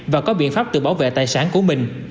và có biện pháp tự bảo vệ tài sản của mình